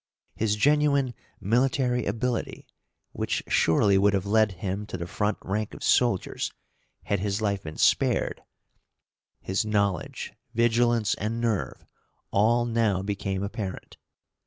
His genuine military ability, which surely would have led him to the front rank of soldiers had his life been spared, his knowledge, vigilance, and nerve all now became apparent.